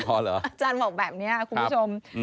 อาจารย์บอกแบบนี้คุณผู้ชม